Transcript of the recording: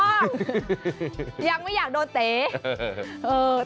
ไม่ต้องยังไม่อยากโดนเตะ